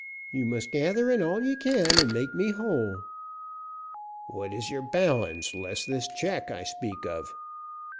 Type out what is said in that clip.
You must gather in all you can and make me whole." "What is your balance, less this check I speak of?"